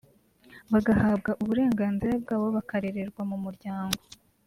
bagahabwa uburenganzira bwabo bakarererwa mu muryango